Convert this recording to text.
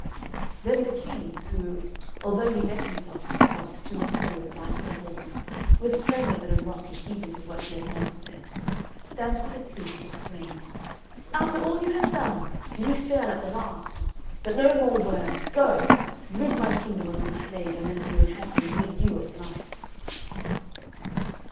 Then the King, who, although he let himself be tossed to and fro as light as a ball, was firmer than a rock in keeping to what he had once said, stamped with his feet, and exclaimed, "After all you have done, do you fail at the last? But no more words; go, rid my kingdom of this plague, unless you would have me rid you of life."